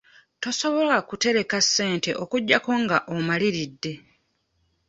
Tosobola kutereka ssente okuggyako nga omaliridde.